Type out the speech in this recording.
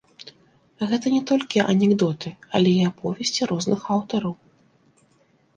Гэта не толькі анекдоты, але і аповесці розных аўтараў.